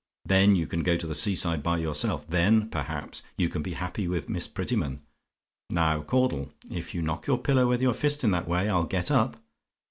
Then you can go to the sea side by yourself; then, perhaps, you can be happy with Miss Prettyman? Now, Caudle, if you knock the pillow with your fist in that way, I'll get up.